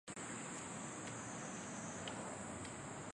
鬼将棋是一种日本将棋变体。